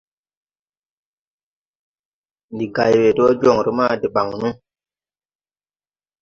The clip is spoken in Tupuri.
Ndi gay we dɔɔ jɔŋre ma debaŋ no.